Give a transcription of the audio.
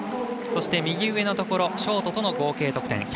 そして、右上のところショートとの合計得点。１６５．４３。